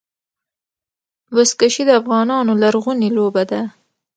بزکشي د افغانانو لرغونې لوبه ده.